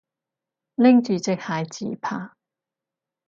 拎住隻鞋自拍